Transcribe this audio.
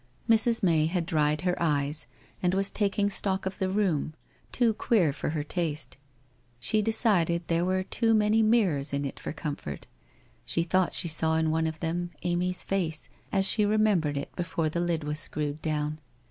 Mrs. May had dried her eyes, and was taking stock of the room — too queer for her taste. She decided that there were too many mirrors in it for comfort. ... She thought she saw in one of them Amy's face, as she remembered it before the lid was screwed down.